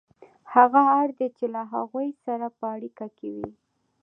هغه اړ دی چې له هغوی سره په اړیکه کې وي